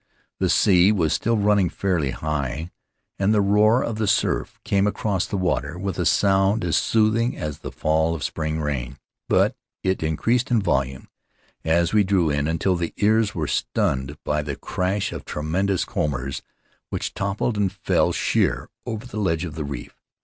The sea was still running fairly high, and the roar of the surf came across the water with a sound as soothing as the fall of spring rain; but it increased in volume In the Cloud of Islands as we drew in until the ears were stunned by the crash of tremendous combers which toppled and fell sheer, over the ledge of the reef.